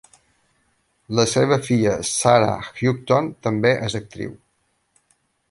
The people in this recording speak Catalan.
La seva filla Sara Houghton també és actriu.